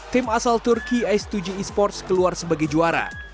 tim asal turki s tujuh esports keluar sebagai juara